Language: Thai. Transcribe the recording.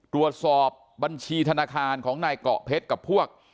ตรวจสอบบัญชีธนาคารของนายเกาะเพชรกับพวก